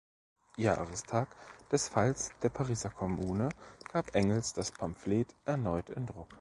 Jahrestag des Falls der Pariser Kommune gab Engels das Pamphlet erneut in Druck.